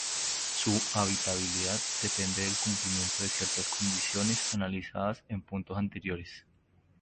Su habitabilidad depende del cumplimiento de ciertas condiciones analizadas en puntos anteriores.